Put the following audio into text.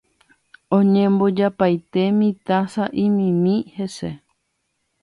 Oñembojapaite mitã sa'imimi hese